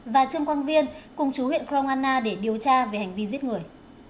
và trương quang viên cùng chú huyện kroana để điều tra về hành vi giết người